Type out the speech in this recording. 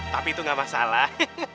tapi itu gak masalah